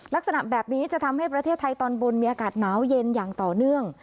ลักษณะแบบนี้จะทำให้ประเทศไทยตอนบนมีอากาศหนาวเย็นอย่างต่อเนื่อง